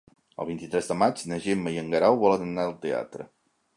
El vint-i-tres de maig na Gemma i en Guerau volen anar al teatre.